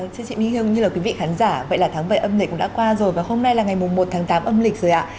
chân chị mỹ hưng như là quý vị khán giả vậy là tháng bảy âm lịch cũng đã qua rồi và hôm nay là ngày một tháng tám âm lịch rồi ạ